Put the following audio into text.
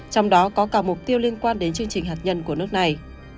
trong đó có cả mục tiêu liên quan đến chương trình hạt nhân của nước này